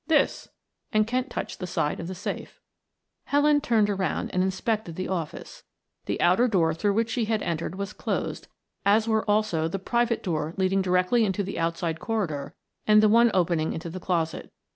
"This," and Kent touched the side of the safe. Helen turned around and inspected the office; the outer door through which she had entered was closed, as were also the private door leading directly into the outside corridor, and the one opening into the closet.